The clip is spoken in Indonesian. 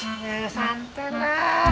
ya santai mas